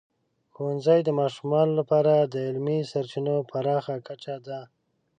ښوونځی د ماشومانو لپاره د علمي سرچینو پراخه کچه ده.